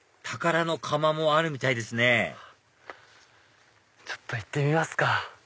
たからの窯もあるみたいですねちょっと行ってみますか。